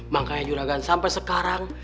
makanya juragan sampai sekarang